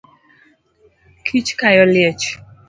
Kich kayo liech